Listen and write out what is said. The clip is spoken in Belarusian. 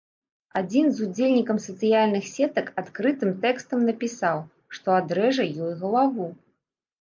Адзін з удзельнікам сацыяльных сетак адкрытым тэкстам напісаў, што адрэжа ёй галаву.